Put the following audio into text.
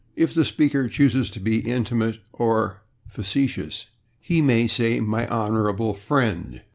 If the speaker chooses to be intimate or facetious, he may say "my honorable /friend